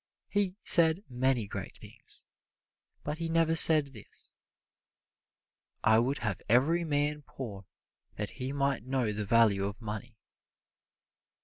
He said many great things, but he never said this: "I would have every man poor that he might know the value of money."